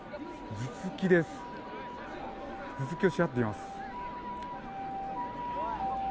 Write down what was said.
頭突きをし合っています。